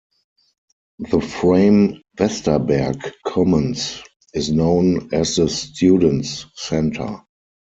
The Frame-Westerberg Commons is known as the students center.